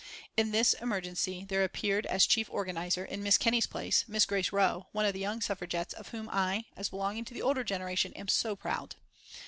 In this emergency there appeared as chief organiser in Miss Kenney's place, Miss Grace Roe, one of the young Suffragettes of whom I, as belonging to the older generation, am so proud.